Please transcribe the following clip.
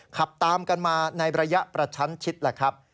ขับตามกันมาในระยะประชันชิดแหละครับ